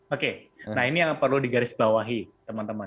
oke nah ini yang perlu digarisbawahi teman teman